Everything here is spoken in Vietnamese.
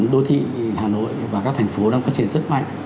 đô thị hà nội và các thành phố đang phát triển rất mạnh